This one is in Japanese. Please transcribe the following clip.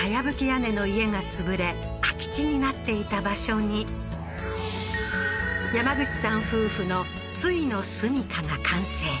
屋根の家が潰れ空き地になっていた場所に山口さん夫婦の終の住処が完成